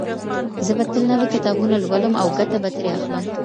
زه به تل نوي کتابونه لولم او ګټه به ترې اخلم.